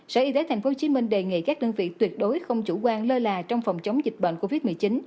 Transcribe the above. sở y tế tp hcm đề nghị các đơn vị tuyệt đối không chủ quan lơ là trong phòng chống dịch bệnh covid một mươi chín